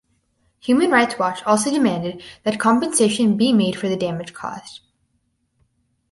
Human Rights Watch also demanded that compensation be made for the damage caused.